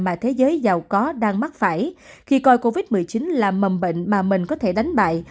mà thế giới giàu có đang mắc phải khi coi covid một mươi chín là mầm bệnh mà mình có thể đánh bại